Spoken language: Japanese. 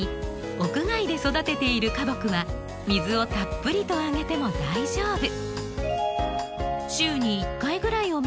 屋外で育てている花木は水をたっぷりとあげても大丈夫。